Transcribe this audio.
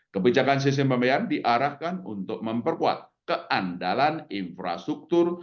kebijakan sistem pembayaran diarahkan untuk memperkuat keandalan infrastruktur